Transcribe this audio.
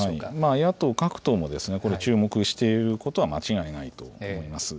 野党各党もこれ、注目していることは間違いないと思います。